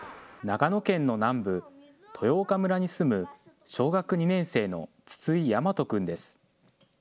長野県の南部、豊丘村に住む小学２年生の筒井岳翔君です。